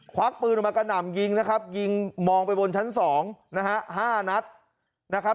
ควักปืนออกมากระหน่ำยิงนะครับยิงมองไปบนชั้น๒นะฮะ๕นัดนะครับ